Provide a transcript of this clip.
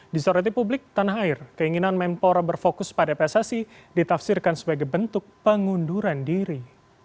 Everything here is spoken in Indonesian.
disoroti publik tanah air keinginan mempora berfokus pada pssi ditafsirkan sebagai bentuk pengunduran diri